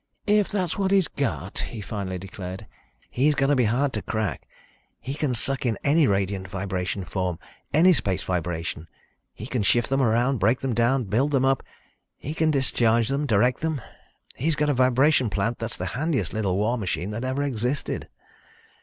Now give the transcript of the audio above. "If that's what he's got," he finally declared, "he's going to be hard to crack. He can suck in any radiant vibration form, any space vibration. He can shift them around, break them down and build them up. He can discharge them, direct them. He's got a vibration plant that's the handiest little war machine that ever existed."